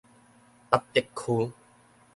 八德區